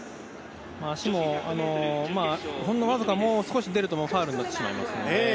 足もほんのわずか出るとファウルになってしまいます。